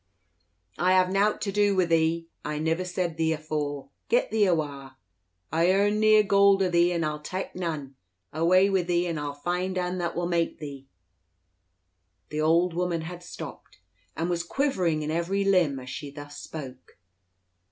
"I have nowt to do wi' thee. I nivver sid thee afoore. Git thee awa'! I earned nea goold o' thee, and I'll tak' nane. Awa' wi' thee, or I'll find ane that will mak' thee!" The old woman had stopped, and was quivering in every limb as she thus spoke.